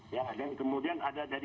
ya dan kemudian ada